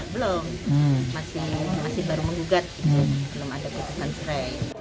belum masih baru menggugat belum ada kebutuhan cerai